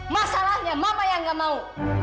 masalahnya mama yang gak mau